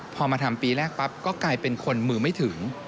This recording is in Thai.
พอมาทำปีแรกปั๊บก็กลายเป็นคนมือไม่ถึง